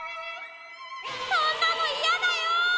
そんなのいやだよ！